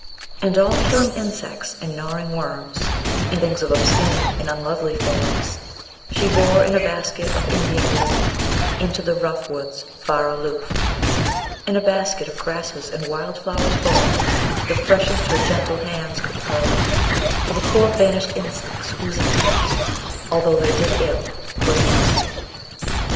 _40 And all killing insects and gnawing worms, And things of obscene and unlovely forms, She bore, in a basket of Indian woof, Into the rough woods far aloof, In a basket, of grasses and wild flowers full, _45 The freshest her gentle hands could pull For the poor banished insects, whose intent, Although they did ill, was innocent.